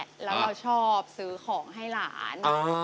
แล้วเราชอบซื้อของให้หลาน